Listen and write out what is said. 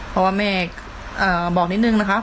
เพราะว่าแม่บอกนิดนึงนะคะ